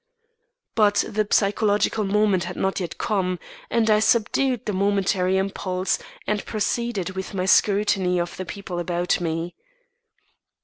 But the psychological moment had not yet come, and I subdued the momentary impulse and proceeded with my scrutiny of the people about me.